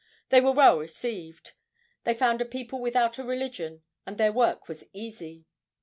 They were well received. They found a people without a religion, and their work was easy.